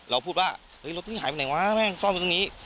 เราพูดว่ารถที่หายไปไหนวะแม่งซ่อนไว้ตรงนี้